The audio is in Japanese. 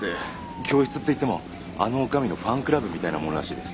教室っていってもあの女将のファンクラブみたいなものらしいです。